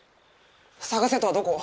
捜せとはどこを？